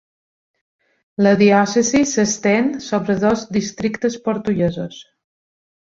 La diòcesi s'estén sobre dos districtes portuguesos.